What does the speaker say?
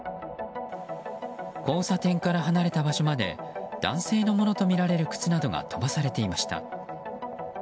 交差点から離れた場所まで男性のものとみられる靴などが飛ばされていました。